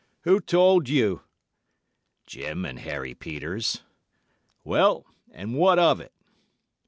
'Who told you?' "'Jim and Harry Peters.' "'Well, and what of it?